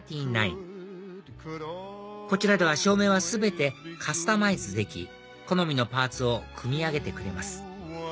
こちらでは照明は全てカスタマイズでき好みのパーツを組み上げてくれます